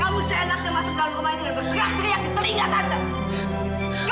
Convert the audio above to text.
kamu seenaknya masuk ke dalam rumah ini dan berteriak telinga tante